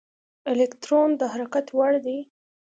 الکترون د حرکت وړ دی.